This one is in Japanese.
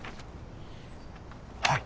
はい！